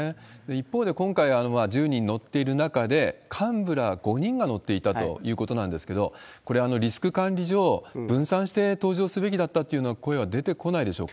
一方で、今回、１０人乗っている中で、幹部ら５人が乗っていたということなんですけれども、これ、リスク管理上、分散して搭乗すべきだったっていうような声は出てこないでしょう